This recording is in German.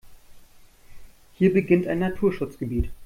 Hier beginnt ein Naturschutzgebiet.